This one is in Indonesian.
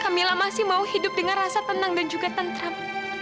kamila masih mau hidup dengan rasa tenang dan juga tentram